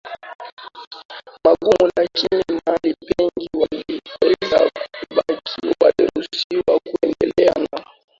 magumu lakini mahali pengi waliweza kubaki Waliruhusiwa kuendelea na